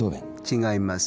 違います。